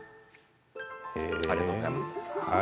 ありがとうございます。